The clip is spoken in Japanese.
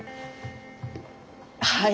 はい？